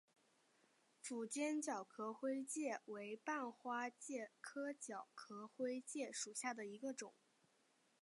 符坚角壳灰介为半花介科角壳灰介属下的一个种。